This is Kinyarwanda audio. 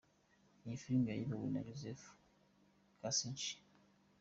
Iyi filime yayobowe na Joseph Kosinski.